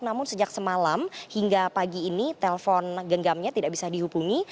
namun sejak semalam hingga pagi ini telpon genggamnya tidak bisa dihubungi